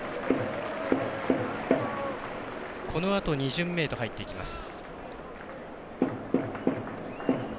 このあと２巡目へと入っていきます。